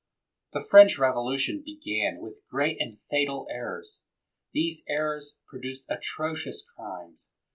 The French Kevolution began with great and fatal errors. These errors produced atrocious crimes.